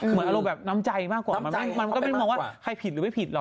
เหมือนอารมณ์แบบน้ำใจมากกว่ามันก็ไม่ได้มองว่าใครผิดหรือไม่ผิดหรอก